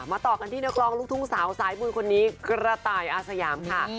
มาต่อกันที่นักรองลูกทุ่งสาวซ้ายมือคนนี้กระไตอาสยามค่ะ